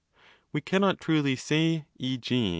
We cannot truly say, e.g.